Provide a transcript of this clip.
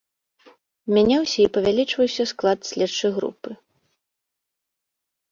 Мяняўся і павялічваўся склад следчай групы.